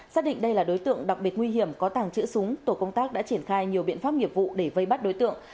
xác định đây là đối tượng đặc biệt nguy hiểm có tàng trữ súng tổ công tác đã triển khai nhiều biện pháp nghiệp vụ để vây bắt đối tượng